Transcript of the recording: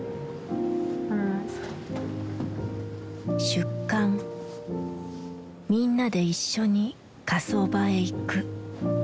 出棺みんなで一緒に火葬場へ行く。